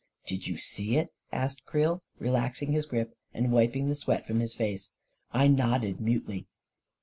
44 Did you see it ?" asked Creel, relaxing his grip and wiping the sweat from his face. I nodded mutely.